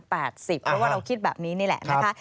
เพราะว่าเราคิดแบบนี้นี่แหละนะคะ